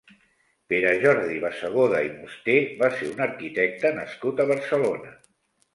Pere-Jordi Bassegoda i Musté va ser un arquitecte nascut a Barcelona.